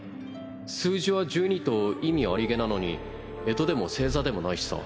数字は１２と意味ありげなのに干支でも星座でもないしさ。